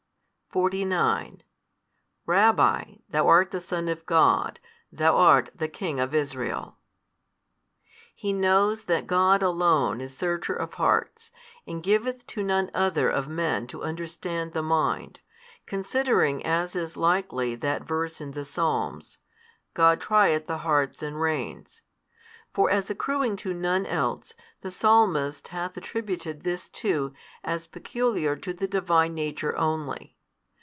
|154 49 Rabbi, Thou art the Son of God, Thou art the King of Israel. He knows that God Alone is Searcher of hearts, and giveth to none other of men to understand the mind, considering as is likely that verse in the Psalms, God trieth the hearts and reins. For as accruing to none else, the Psalmist hath attributed this too as peculiar to the Divine Nature only.